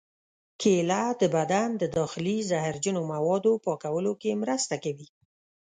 کېله د بدن د داخلي زهرجنو موادو پاکولو کې مرسته کوي.